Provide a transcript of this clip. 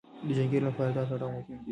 د حنکير لپاره دا تړاو مهم دی.